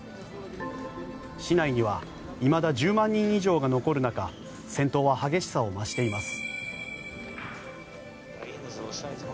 市内にはいまだ１０万人以上が残る中戦闘は激しさを増しています。